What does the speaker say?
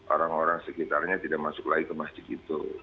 orang orang sekitarnya tidak masuk lagi